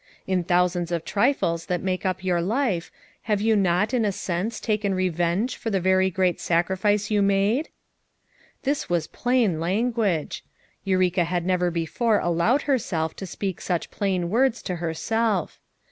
In thousands of trifles that make up your life have you not in a sense taken re venge for the very great sacrifice you made?' This was plain language. Eureka had never before allowed herself to speak such plain words to herself.